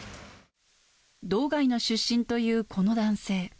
道外の出身というこの男性。